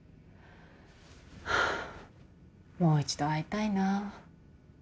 ハァもう一度会いたいな。